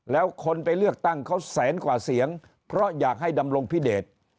แล้วคนไปเลือกตั้งเขาแสนกว่าเสียงเพราะอยากให้ดำรงพิเดช